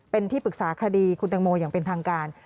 เป็นที่ปรึกษาคดีคุณตังโมอย่างเป็นทางการ